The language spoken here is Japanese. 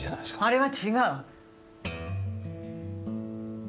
あれは違う！